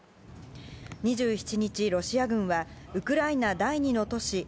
２７日、ロシア軍はウクライナ第２の都市